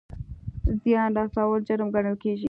زیان رسول جرم ګڼل کیږي